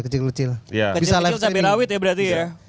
kecil kecil cabai rawit ya berarti ya